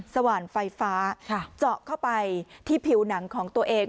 สว่านไฟฟ้าเจาะเข้าไปที่ผิวหนังของตัวเอง